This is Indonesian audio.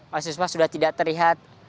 mahasiswa sudah tidak terlihat